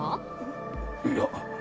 いや。